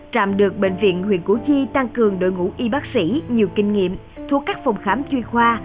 trạm được bệnh viện huyện củ chi tăng cường đội ngũ y bác sĩ nhiều kinh nghiệm thuộc các phòng khám chuyên khoa